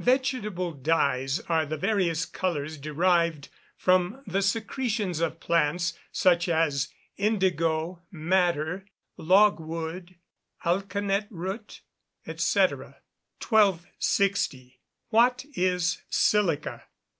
_ Vegetable dyes are the various colours derived from the secretions of plants, such as indigo, madder, logwood, alkanet root, &c. 1260. _What is silica?